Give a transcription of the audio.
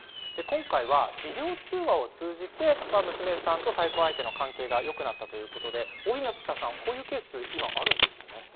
今回はビデオ通話を通じて娘さんと再婚相手の関係がよくなったということで大日向さん、こういうケース今あるんですね。